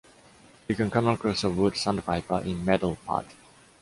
You can come across a wood sandpiper in Medelpad.